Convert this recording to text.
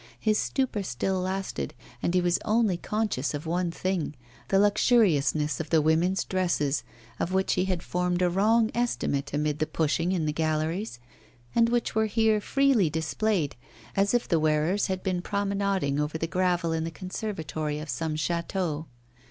His stupor still lasted, and he was only conscious of one thing, the luxuriousness of the women's dresses, of which he had formed a wrong estimate amid the pushing in the galleries, and which were here freely displayed, as if the wearers had been promenading over the gravel in the conservatory of some château.